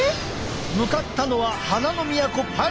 向かったのは花の都パリ。